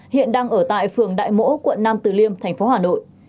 hiện đang ở tại phường đại mỗ quận nam từ liêm tp hà nội